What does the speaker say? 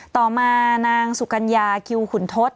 ต่อมานางสุกัญญาคิวขุนทศ